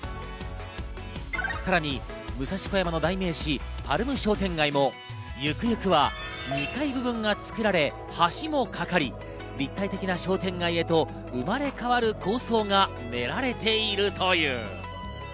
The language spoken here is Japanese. さらに武蔵小山の代名詞、パルム商店街もゆくゆくは２階部分が作られ橋もかかり、立体的な商店街へと生まれ変わる構想が練られているという。